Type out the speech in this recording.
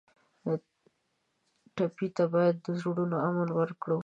ټپي ته باید د زړونو امن ورکړو.